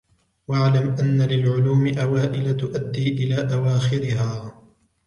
وَاعْلَمْ أَنَّ لِلْعُلُومِ أَوَائِلَ تُؤَدِّي إلَى أَوَاخِرِهَا